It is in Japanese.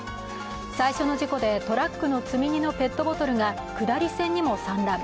最初の事故でトラックの積み荷のペットボトルが下り線にも散乱。